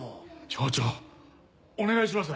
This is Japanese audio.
町長お願いします。